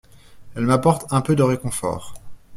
Elle m'apporte un peu de réconfort.